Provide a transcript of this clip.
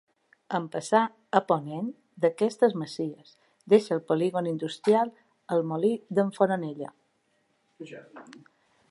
En passar a ponent d'aquestes masies, deixa el Polígon Industrial el Molí d'en Fonolleda.